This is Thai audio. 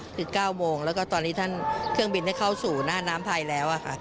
คือ๙โมงแล้วก็ตอนนี้ท่านเครื่องบินได้เข้าสู่หน้าน้ำไทยแล้วค่ะ